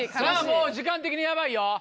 もう時間的にヤバいよ。